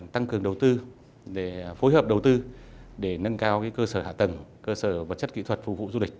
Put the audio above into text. tăng cường đầu tư để phối hợp đầu tư để nâng cao cơ sở hạ tầng cơ sở vật chất kỹ thuật phục vụ du lịch